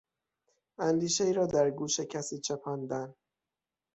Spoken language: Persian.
اندیشهای را در گوش کسی چپاندن